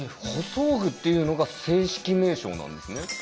「補装具」っていうのが正式名称なんですね？